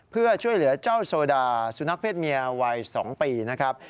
เพื่อช่วยเหลือเจ้าโซดาสุนัขเศษเมียวัย๒ปีนะครับ